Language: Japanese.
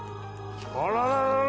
あらららら！